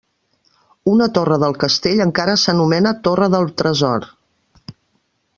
Una torre del castell encara s'anomena Torre del tresor.